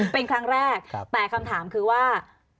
เป็นครั้งแรกแต่คำถามคือว่า